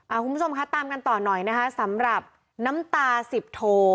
คุณผู้ชมคะตามกันต่อหน่อยนะคะสำหรับน้ำตาสิบโท